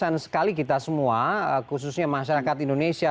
dan sekaligus kita semua khususnya masyarakat indonesia